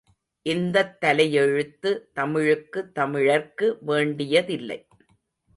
இந்தத் தலையெழுத்து தமிழுக்கு தமிழர்க்கு வேண்டியதில்லை.